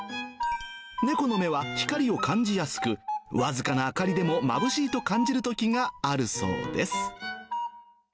猫の目は光を感じやすく、僅かな明かりでもまぶしいと感じるときがあるそうです。